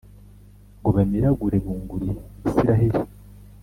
ngo bamiragure bunguri Israheli!